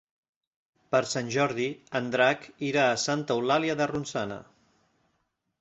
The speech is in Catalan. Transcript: Per Sant Jordi en Drac irà a Santa Eulàlia de Ronçana.